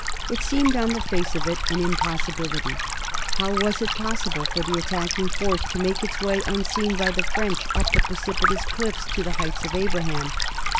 It seemed on the face of it an im possibility. How was it possible for the attacking force to make its way unseen by the French up the precipitous cliffs to the Heights of Abraham